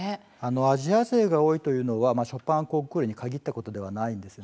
アジア勢が多いというのはショパンコンクールに限ったことではないんです。